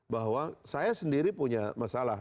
bahwa saya sendiri punya masalah